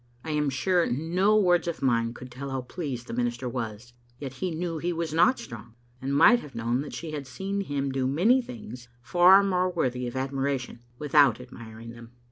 I am sure no words of mine could tell how pleased the minister was; yet he knew he was not strong, and might have known that she had seen him do many things far more worthy of admiration without admiring them.